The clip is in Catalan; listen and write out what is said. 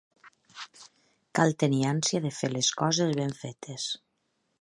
Cal tenir ànsia de fer les coses ben fetes.